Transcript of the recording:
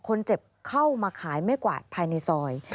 คนเจ็บเข้ามาขายไม่กวาดภายในซอย